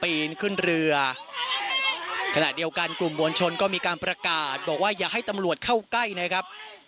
ปีนขึ้นเรือขณะเดียวกันกลุ่มมวลชนก็มีการประกาศบอกว่าอย่าให้ตำรวจเข้าใกล้นะครับ